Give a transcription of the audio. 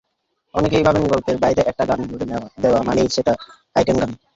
অনেকেই ভাবেন গল্পের বাইরে একটা গান জুড়ে দেওয়া মানেই সেটা আইটেম গান।